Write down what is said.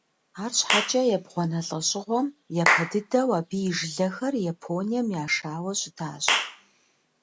Арщхьэкӏэ ебгъуанэ лӏэщӏыгъуэм япэ дыдэу абы и жылэхэр Японием яшауэ щытащ.